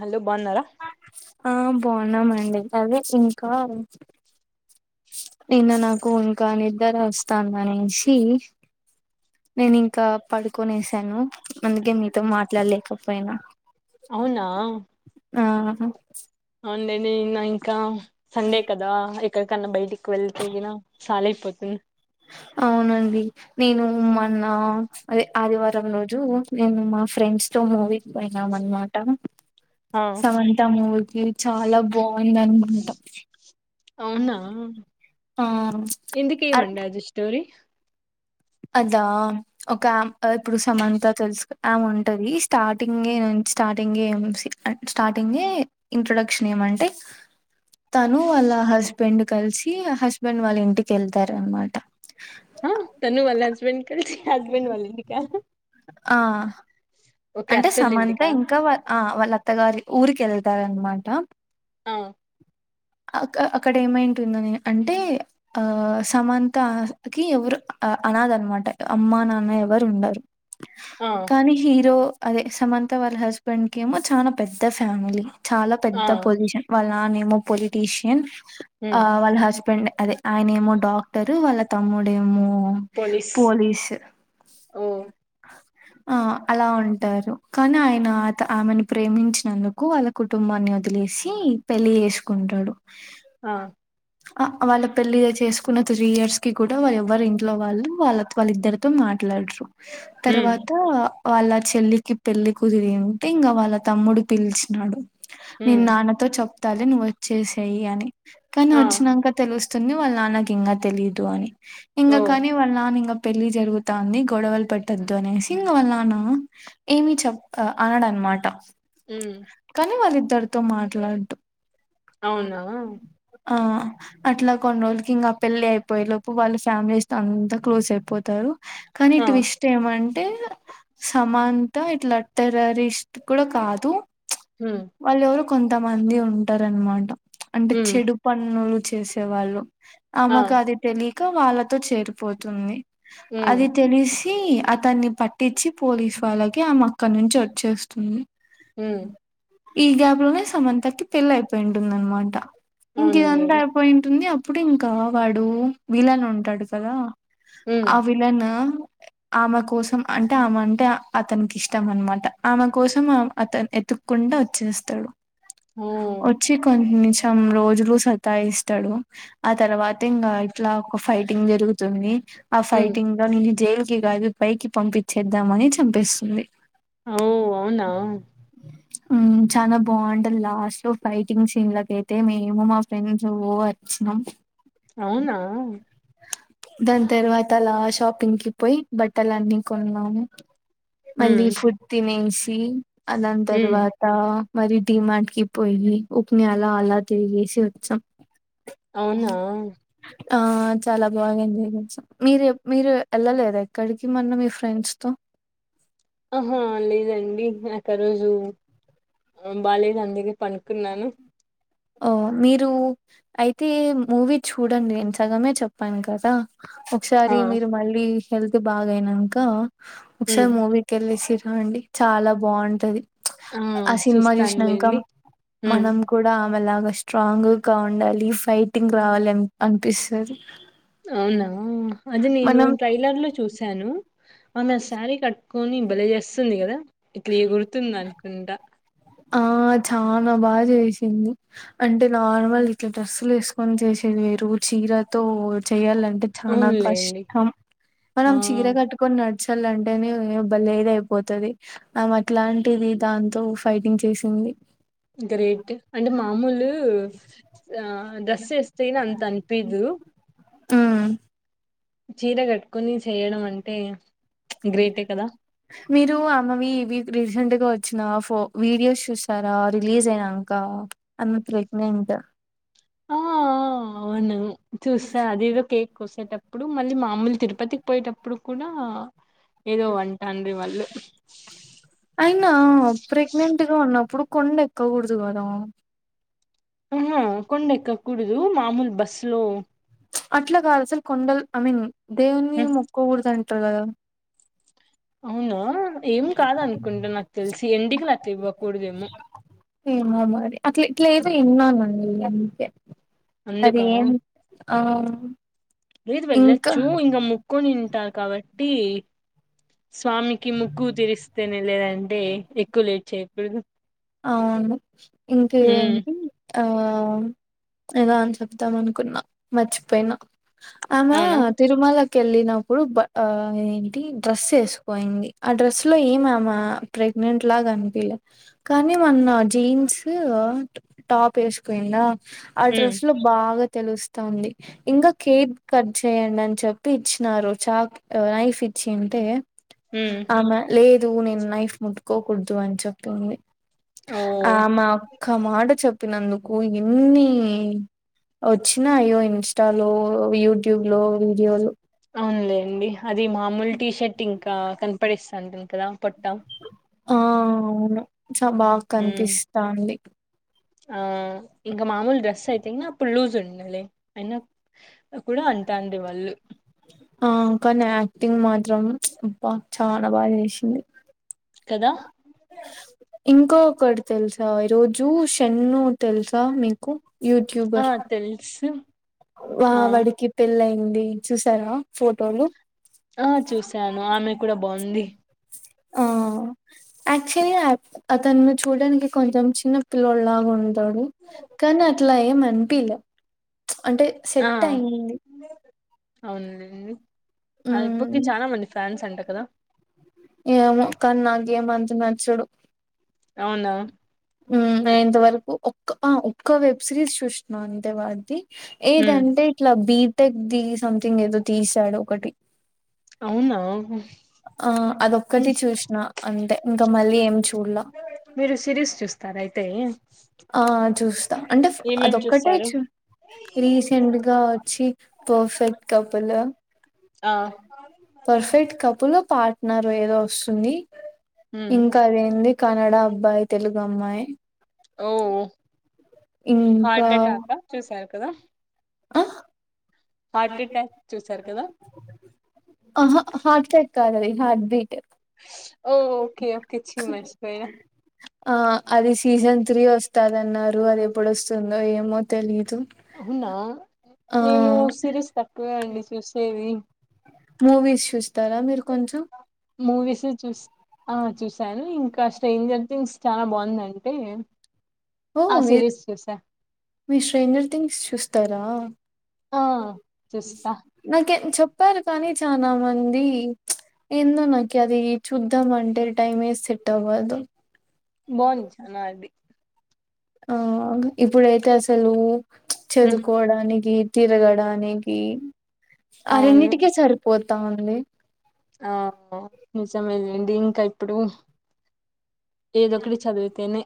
Hello బాగున్నారా బాన్నామండి అదే ఇంకా నిన్న నాకు ఇంకా నిదర వస్తుంది అనేసి నేను ఇంకా పడుకనే వసాను అందుకే మీతో మాట్లాడలేకపోయినా అవునా ఆహ అవుండేని ఇ నా ఇంకా సండే కదా ఎక కన్నా బయటికి వెళ్తేగిన సాల అయిపోతుంది అవునండి నేను మొన్న అదే ఆదివారం రోజు మేము మా ఫ్రెండ్స్ తో మూవీకి పోయినాం అనమాట ఆ సమంత మూవీ ఇ చాలా బాగుంది అనుకుంటాం అవునా ఆ ఎందుకేమంట అది స్టోరి అదా ఒక ఇప్పుడు సమంత తెలుసు ఆమ్ ఉంటది స్టార్టింగ్ నుంచి స్టార్టి స్టార్టింగ్ స్టార్టింగ్ ఇంట్రడక్షన్ ఎం అంటే తను వాళ్ళ హస్బెండ్ కలిసి ఆ హస్బెండ్ వాళ్ళ ఇంటికి వెళ్తారు అనమాట వా హస్బెం క హస్బెండ్ వల్లా ఇంటికా ఆ ఓకే అంటే అత్తోళ్ళ సమంత ఇంటికా ఇంకా ఆ వాళ్ళ అత్తగారి ఊరిక వెళ్తార అనమాట అవు అ అక్కడ ఏమైంటుంద నే అంటే ఆ సమంతకి ఎవరు అనాద అనమాట అమ్మా నాన్న ఎవరు ఉండరు ఆ కానీ హీరో అదే సమంత వాళ్ళ హస్బెండ్ క ఏమో చాలా పెద్ద ఫ్యామిలీ చాలా ఆ పెద్ద పొజిషన్ వాళ్ళ నానా నేమో పొలిటీషియన్ ఆ ఉమ్ వాళ్ళ హస్బెండ్ అదే ఆయన ఏమో డాక్టరు వాళ్ళ తమ్ముడేమో పోలీస్ ఓ అలా ఉంట కానీ ఆయన ఆమెని ప్రేమించినందుకు వాళ్ళ కుటుంబాన్ని వదిలేసి పెళ్ళ చేసుకుంటాడు ఆ ఆ వాళ్ళ పెళ్ళలి చేసుకున్న త్రీ ఇయర్స్ కి కూడా వాళ్ళ ఎవ్వరి ఇంట్లో వాళ్ళు వాళ్ళ వాళ్ళిద్దరితో మాట మాట్లాడరు ఉమ్ తర్వాత వాళ్ళ చెల్లికి పెళ్లి కుదిరింటే ఇంకా వాళ్ళ తమ్ముడు పిలిచినాడు నేను ఉమ్ నాన్నతో చె తాలె నువ్ వచ్చేసాయి అని కానీ ఆ వచ్చినాక తెలుస్తుంది వాళ్ళ నాన్నకి ఇంకా తెలీయదు అని ఇంకా ఓ కని వల్ల ఇంకా పెళ్లి జరుగుతంది గొడవలు పెట్టద్దు అనేసి ఇంక వల్లనా ఏమి చెప్ అనడనమాట ఉమ్ కానీ వాళ్ళి ఇద్దరితో మాట్లాడు అవునా ఆ అట్లా కొన్ని రోజుకి ఇంకా పెళ్లి అయిపోయే లోపు వాళ్ళ ఫ్యామిలీస్ థో అంతా క్లోజ్ అయిపోతారు కానీ ఆ ట్విస్ట్ ఏమంటే సమాంత ఇట్లా టెరరిస్ట్ కూడా కాదు ఉమ్ వాళ్ళు ఎవరు కొంతమంది ఉంటారనమాట అంటే ఉమ్ చెడు పన్నులు చేసేవాళ్ళు ఆ ఆమెకు అది తెలియక వాళ్ళతో చేరిపోతుంది ఉమ్ అది తెలిసి అతన్ని పట్టించి పోలీసు వాళ్ళకి ఆమే అక్క నుంచి వచ్చేస్తుంది ఉమ్ ఈ గ్యాప్ లోనే సమంతకి పెళ్లి అయిపోయి ఉంటుంది అనమాట ఇంక అవునులే ఇదంతా అయిపోయి ఉంటుంది ఇప్పుడు ఇంకా వాడు వీలన ఉంటాడు కదా ఉమ్ ఆ విళన ఆమె కోసం అంటే ఆమె అంటే అతనికి ఇష్టం అనమాట ఆమె కోసం అతను ఎతుక్కుంట వచ్చేస్తాడు ఓ వచ్చి కొంచం రోజులు సతా ఇస్తాడు ఆ తర్వాత ఇంకా ఇట్లా ఒక ఫైటింగ్ జరుగుతుంది ఆ ఉమ్ ఫైటింగ్ లో నేను జైల్ కి కాదు పైకి పంపించేద్దామని చంపిస్తుంది ఓ అవునా చాలా బాగుంటుది లాస్ట్ ఫైటింగ్ సీన్ క అయితే మేము మా ఫ్రెండ్స్ [unintelligible] అవునా దాని తర్వాత అలా షాపింగ్ కి పోయి బట్టలు అన్ని కొన్నాము హ్మ్ మళ్ళీ ఫుడ్ తినేసి అ దాని హ్మ్ తర్వాత మరి మాటికి పోయి ఉపని అలా అలా తిరిగేసి వచ్చాం అవునా ఆ చాలా బాగా ఎంజాయ్ చేస్తాం మీరు మీరు వెళ్ళలేదు ఎక్కడికి మొన్న మీ ఫ్రెండ్స్ తో ఆహా లేదండి ఆ రోజు బాలేదు అందుక పనుకున్నాను ఓ మీరు అయితే మూవీ చూడండి నేను సగమే చెప్పాను కదా ఆ ఒకసారి మీరు మళ్ళీ హెల్త్ బాగాయినాక హ్మ్ ఒకసారి మూవీకి వెళ్ళసి అండి చాలా బాగుంటది ఆ సినిమా చూసినాక చూస్తానులేండి హ్మ్ మనం కూడా మలాగా స్ట్రాంగ్ గా ఉండాలి ఫైటింగ్ రావాలిని అనిపిస్తుంది అవునా అది నేను ట్రైలర్ లో చూసాను ఆ నా శారీ కట్ కని భలే చేస్తుంది కదా ఇట్లా ఏ గురుతుంద అనుకుంటడా ఆ చాలా బాగా చేసింది అంటే నార్మల్ ఇట్లా డ్రెస్సులు వేసుకొని చేసేది వే చీరతో చేయాల అంటే చాల అవునులేండి కష్టం ఆ మనం చీర కట్టుకొని ల్ అంటేనేవ్వలేద అయిపోతుది ఆ అట్లాంటిది దాంతో ఫైటింగ్ చేసింది గ్రేట్ అంటే మామూలు ఆ దస వస్తేనా అంత అనిపద్ మ్ చీర కట్టుకుొని చేయడం అంటే గ్రేటే కదా మీరు అమ్మవి ఇవి రీసెంట్ గా వచ్చిన ఫో వీడియోస్ చూసారా రిలీజ్ అయినాక అన్న ప్రెగ్నంట్ ఆ అవును చూసా అదిదో కేక్ కోసేటప్ప ఇప్పుడు మళ్ళీ మామూలు తిరుపతికి పోయేటప్పుడు కూడా ఏదో అంటాను వాళ్ళు అయినా ప్రెగ్నెంట్ గా ఉన్నప్పుడు కొండ ఎక్క కుడుదుకుదా ఆహా కొండ ఎక్కకూడదు మామూలు బస్సు లో అట్లా కాలసి కొండల్ ఐమీన్ దవని మొక్క ఊరుదానింటల అవునా ఏం కాద అనుకుంటే నాకు తెలిసి ఎడికలు అత ఇవ్వకూడదేమో ఏమ మరి అట్లా ఇట్లా ఏదో విన్నానండి అందుకే అందుక అవు లేదు వెళ్ళచ్చు ఇంకా ముక్కని తింటారు కాబట్టి స్వామికి ముగ్కుగు తరిస్తేనే లేదంటే ఎక్కువ లేట్ చేయకూడదు అవును ఇంక ఉమ్ ఏంటి ఆ ఎదా అని చెప్దాం అనుకున్నా మర్చిపోయినా ఆమ అవునా తిరుమల వెళ్ళినప్పుడు ఏంటి డ్రెస్ వేసుపోయింది ఆ డ్రెస్ లో ఏమి ప్ర ప్రగ్ట్ గా తిలా కానీ మొన్న జీన్స్ టాప్ వేసుపోయిందా ఆ ఉమ్ డ్రెస్ లో బాగా తెలుస్ంది ఇంకా కేక్ కట్ చేయండి అని చెప్పి ఇచ్చినారు చాక్ నైఫ్ ఇ వచ్చి అంటే ఉమ్ ఆమె లేదు నేను నైఫ్ ముట్కోకూడదు అని చెప్తుంది ఆ ఓ మా ఒక్క మాట చెప్పినందుకు ఎన్ని వచ్చినా అయ్యో ఇన్స్టాలో యూట్యూబ్ లో వీడియోలు అవునులేండి అది మామూలు టీ షర్ట్ ఇంకా కనపడిస్తాంటను కదా పొట్టాం ఆ అవును చ బాగా మ్మ్ కనిపిస్తాంది ఆ ఇంకా మామూలు డ్రెస్ అయితే అప్పుడు లూజ్ ఉండాలి అయినా కూడా ఉంటా అడి వాళ్ళు ఆకా నా యాక్టింగ్ మాత్రం బా చాలా బాగా చేసింది కదా ఇంకో ఒకొటి తెలుసు ఆ ఈ రోజూ షన్ను తెలుసా మీకు ఆ యూట్యూబర్ తెలుసు వా ఆ వాడికి పెళ్ళి అయింది చూసారా ఫోటోలు ఆ చూశాను ఆమె కూడా బావుంది ఆ యాక్చువల్లా అతన్ను చూడ్డానికి కొంచెం చిన్న పిల్లోడ్ లాగున్ టడు కనీ అట్లా ఏం అనిపీలె అంటే ఆ సెట్ అయింది అవునులేండి ఆ ఇప్పుకి మ్మ్ చాలా మంది ఫ్యాన్స్ అంట కదా ఏమో కానీ నాకేం అంత నచ్చడు అవునా హూమ్ నే ఇంతవరకు ఒక్క ఆ ఒక్క వెబ్ సిరీస్ చూశ్న అంతే వాడ్ది మ్మ్ ఏదంటే ఇట్ల బీటెక్ ది సంథింగ్ ఏదో తీసాడు ఒకటి అవునా ఆ అదొక్కటి చూసినా అంటే ఇంకా మళ్ళీ ఏం చూడ్లా మీరు సిరీస్ చూస్తారా అయితే ఆ చూస్తా అంటే ఏమేం అదొక్కటే చూస్తారు చూ రీసెంట్ గా వచ్చి పర్ఫెక్ట్ కప్ పులు ఆ పర్ఫెక్ట్ కపుల పార్ట్నర్ ఏదో వస్తుంది మ్మ్ ఇంకా అదేంది కనడ అబ్బాయ్ తెలుగు అమ్మాయ్ ఓ హార్ట్ అటాకా చూసారు కదా అ హార్ట్ అటాక్ చూసారు కదా అహ హార్ట్ అటాక్ కాదది హార్ట్ బీట్ ఓ ఓకే ఓకే చి మర్చిపోయ ఆ అది సీజన్ త్రీ వస్తదన్నారు అది ఎప్పుడు వస్తుందో ఏమో తెలీద్ అవునా నేను సిరీస్ తక్కువే అండి చూసేది మూవీస్ చూస్తారా మీరు కొంచెం మూవీస్ చూస్ ఆ చూసాను ఇంకా స్ట్రేంజర్ థింగ్స్ చాలా బాగుందంటే ఓ ఆ మీర్ సిరీస్ చూసా మీరు స్ట్రెంజర్ థింగ్స్ చూస్తారా ఆ చూస్తా నాకె చెప్పారు కానీ చాలా మంది ఎందో నాకి అది చూద్దామంటే టైం ఏ సెట్ అవ్వదు బా ఉంది సినిమా అది ఆగ్ ఇప్పుడైతే అసలూ ఉమ్, చదుకోడానికి తిరగడానికి ఆ అవును రెండిటికీ సరిపోతా ఉంది ఆ నిజమేనే దీన్కా ఇప్పుడు ఏదొ ఒకటి చదివితేనే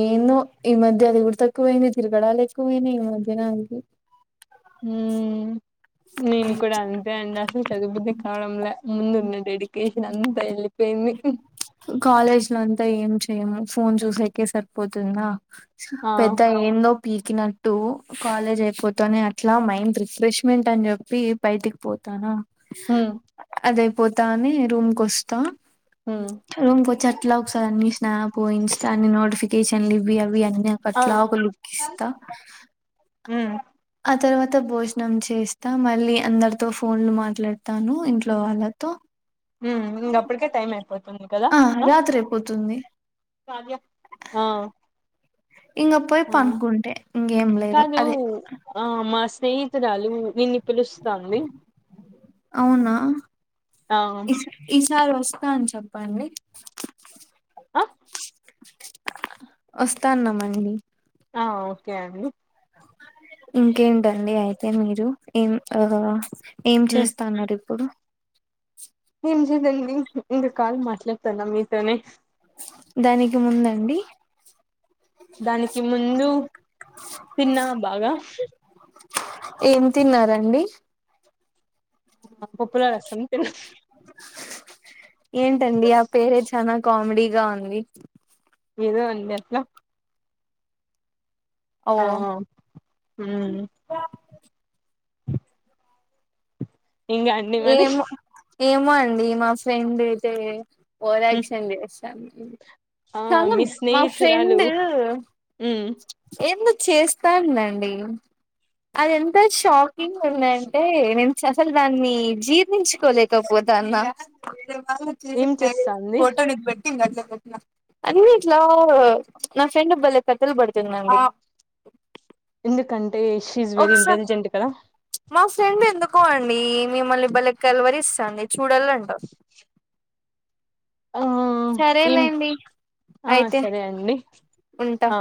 ఏందొ ఈ మధ్య అది గూడ త తక్కువైనై తిరగడాలు ఎక్కువైనై ఈ మధ్యన అన్కె ఉమ్, నేను కూడా అంతే అండి అసలు చదువబుద్ది కావడం లే, ముందు ఉన్న డెడికేషన్ అంత ఎళ్ళిపోయిన్. మి [unintelligible] కాలేజ్ నున్ త ఏం చేయము ఫోన్ చూసకే సరిపోతుందా ఆ పెద్ద ఏందో పీకిన ట్టూ కాలేజ్ అయిపోతానే అట్లా మైండ్ రిఫ్రెష్మెంట్ అన్ చెప్పి బయటికి పోతానా ఉమ్ అదయిపోతానే రూమ్ కొస్తా ఉమ్ రూమ్ కి ఒచ్చి అట్లా ఒకసారి అన్ని స్నాప్ ఇన్స్టా అన్ని నోడిఫి కేషన్లు ఇవి అవి అన్నీ ఆ అకట్లా ఒక లుక్ ఇస్తా ఉమ్ అ తర్వాత భోజనం చ్ ఏస్తా మళ్ళీ అందరితో ఫోన్లు మాట్లాడతాను ఇంట్లో వాళ్ళతో హూమ్ ఇంగ అప్పుడుకే టైమ్ అయిపో ఉంది కదా ఆ రాత్రి అయిపోతుంది ఆ ఇంగ పోయి ఆ పనుకుంటే ఇంగేం లేదు కాదు అదే ఆ మా స్నేహితురాలు నిన్నీ అవునా ఆ ఇస్ ఇస్ చాలు వస్తా అని చెప్పండి ఆ వస్తున్నాంమండి ఆ ఓకే అండి ఇంకేంటండి అయితే మీరు ఏం ఆ ఏం చేస్తాన్నారు ఇప్పుడు మేం జిదండి ఇంగా కాల్ మాట్లాడతాన్న మీతోనే దానికి ముందండి దానికి ముందు తిన్నా బాగా ఏం తిన్నారండి ఆ పొప్పులో రసం తిన్న ఏంటండి ఆ పేరే చానా కామెడీగా ఉంది ఏదో అండి అట్లా ఓ ఆ ఉమ్ ఇంగా అండి మనీ ఏమో ఏమో అండి మా ఫ్రెండ్ అయితే ఒరాక్షన్ చేస్తుంది ఆ చనా మీ మా స్నేహితురాలు ఫ్రెండ్ ఉమ్ ఎందొ చేస్తాందండి అది ఎంత షాక్ కింగ్ ఉందంటే నేను అసలు దాన్ని జీర్ణించుకోలేకపోతాన్న ఏం చేస్తాంది అన్ని ఇట్లా నా ఫ్రెండ్ బలే కథలు బడుతుందండి ఇస్ వెరీ ఇంటెలిజెంట్ కదా మా ఫ్రెండ్ ఎందుకో అండి మిమ్మల్ని బలె కలవరిస్తాండి చూడాలంటా ఆ ఏం సరేలేండి ఆ అయితే సరే అండి ఉంటా ఆ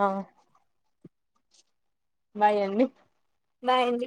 ఆ బాయ్ అండి బాయ్ అండి